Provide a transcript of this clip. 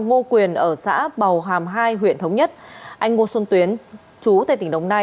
ngô quyền ở xã bào hàm hai huyện thống nhất anh ngô xuân tuyến chú tại tỉnh đồng nai